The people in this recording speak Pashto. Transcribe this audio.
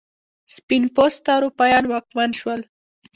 سپین پوسته اروپایان واکمن شول.